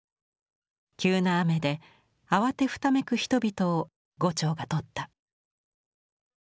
急な雨で慌てふためく人々を牛腸が撮った。